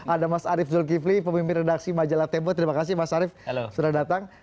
ada mas arief zulkifli pemimpin redaksi majalah tempo terima kasih mas arief sudah datang